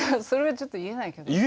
それはちょっと言えないけど。